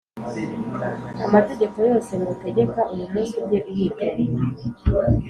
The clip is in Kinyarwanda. Amategeko yose ngutegeka uyu munsi ujye uyitondera